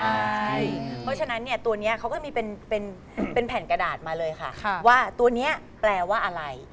เพราะฉะนั้นเนี่ยตัวนี้เขาก็จะมีเป็นแผ่นกระดาษมาเลยค่ะว่าตัวนี้แปลว่าอะไร